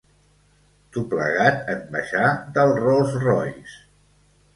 Doblegat en baixar del Rolls Royce.